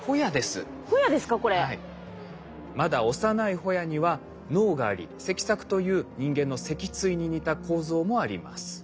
まだ幼いホヤには脳があり脊索という人間の脊椎に似た構造もあります。